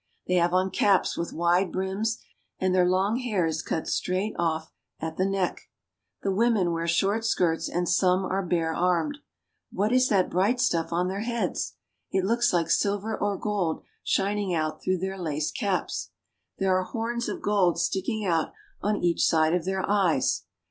They have on caps with wide brims, and their long hair is cut straight off at the neck. The women wear short skirts and some are bare armed. What is that bright stuff on their heads ? It looks like silver or gold shining out, through their lace caps. There are horns of gold sticking out on each side of their eyes.